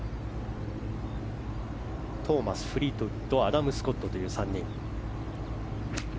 トーマス、フリートウッドアダム・スコットという３人。